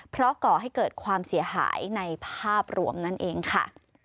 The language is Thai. เพราะก่อให้เกิดความเสียหายในภาพรวมนั่นเองค่ะ